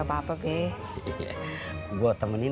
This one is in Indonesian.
yang itu tuh majuan